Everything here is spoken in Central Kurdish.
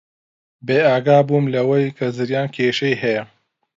بێئاگا بووم لەوەی کە زریان کێشەی هەیە.